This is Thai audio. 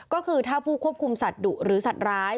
ก็คือถ้าผู้ควบคุมสัตว์ดุหรือสัตว์ร้าย